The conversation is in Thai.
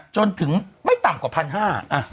จนถึงไม่ต่ำกว่าพันห้า